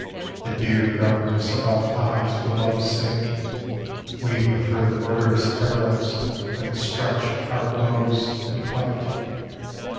The dear darkness about eyes for love's sake, We prefer the murderous arrows That stretch our bows in fig^t.